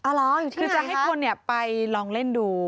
อ๋อเหรออยู่ที่ไหนคะคือจะให้คนไปลองเล่นดู